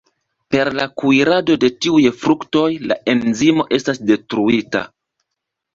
Per la kuirado de tiuj fruktoj la enzimo estas detruita.